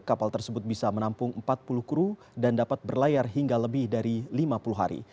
kapal tersebut bisa menampung empat puluh kru dan dapat berlayar hingga lebih dari lima puluh hari